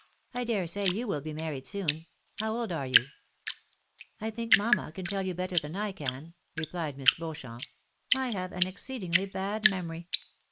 I dare say you will be married soon. How old are you ?"" I think mamma can tell you better than I can," replied Miss Beauchamp. " I have an exceedingly bad memory."